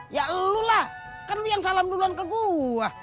ya elulah kan lu yang salam duluan ke gua